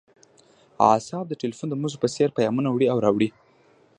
اعصاب د ټیلیفون د مزو په څیر پیامونه وړي او راوړي